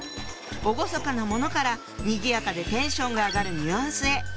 厳かなものからにぎやかでテンションが上がるニュアンスへ！